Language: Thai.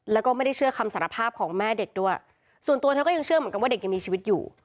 แล้วก็ไม่ได้เชื่อคำสารภาพของแม่เด็กด้วยส่วนตัวเธอก็ยังเชื่อเหมือนกันว่าเด็กยังมีชีวิตอยู่